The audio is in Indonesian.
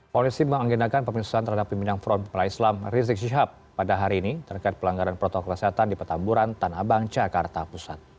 polisi menganggindakan pemirsaan terhadap pembinaan front pembalai islam rizik syihab pada hari ini terkait pelanggaran protokol kesehatan di petamburan tanah bang jakarta pusat